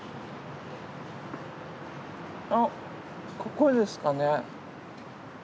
あっここですかね。